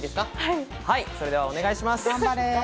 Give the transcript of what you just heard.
それではお願いします。